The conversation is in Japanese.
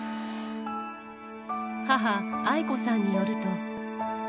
母、愛子さんによると。